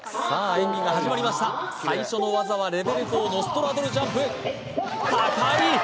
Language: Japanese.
さあ演技が始まりました最初の技はレベル４のストラドルジャンプ高い！